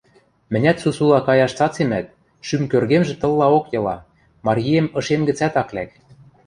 Мӹнят сусула каяш цацемӓт, шӱм кӧргемжӹ тыллаок йыла, Марйиэм ышем гӹцӓт ак лӓк.